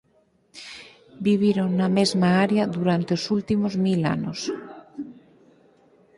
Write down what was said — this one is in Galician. Viviron na mesma área durante os últimos mil anos.